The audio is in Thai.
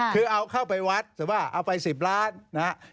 คือเอาเข้าไปวัดแต่ว่าเอาไป๑๐ล้านนะครับ